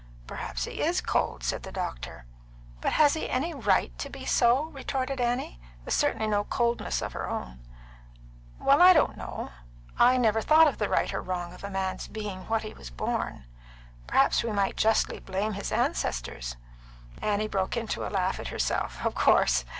"Perhaps he is cold," said the doctor. "But has he any right to be so?" retorted Annie, with certainly no coldness of her own. "Well, I don't know. I never thought of the right or wrong of a man's being what he was born. Perhaps we might justly blame his ancestors." Annie broke into a laugh at herself: "Of course.